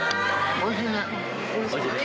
おいしい？